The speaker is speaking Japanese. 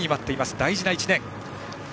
大事な１年。